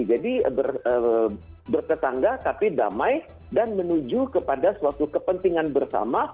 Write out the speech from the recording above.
jadi berketangga tapi damai dan menuju kepada suatu kepentingan bersama